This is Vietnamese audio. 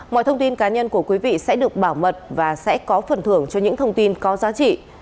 mọi thông tin cá nhân của quý vị sẽ được bảo mật và sẽ có phần thưởng cho những thông tin có giá trị